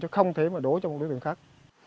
chứ không thể đổ cho một đối tượng khác